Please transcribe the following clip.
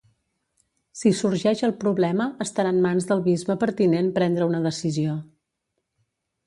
Si sorgeix el problema, estarà en mans del bisbe pertinent prendre una decisió.